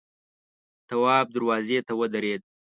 تواب دروازې ته ودرېد.